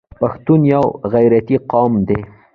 پښتون یو غیرتي قوم دی.